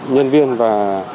nhân viên và